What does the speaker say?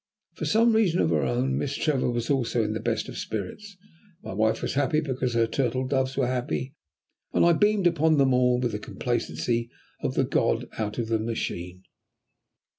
For some reason of her own Miss Trevor was also in the best of spirits. My wife was happy because her turtle doves were happy, and I beamed upon them all with the complacency of the God out of the machine.